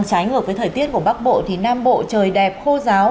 trái ngược với thời tiết của bắc bộ thì nam bộ trời đẹp khô giáo